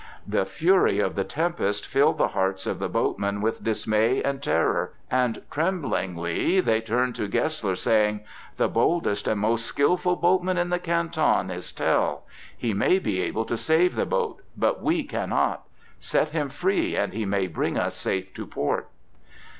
The fury of the tempest filled the hearts of the boatmen with dismay and terror, and tremblingly they turned to Gessler, saying: "The boldest and most skilful boatman in the Canton is Tell. He may be able to save the boat, but we cannot! Set him free and he may bring us safe to port."